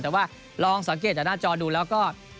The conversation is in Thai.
แต่ว่าลองสังเกตจากหน้าจอดูแล้วก็